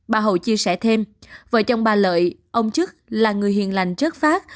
bà hậu chia sẻ thêm vợ chồng bà lợi ông chức là người hiền lành trước phát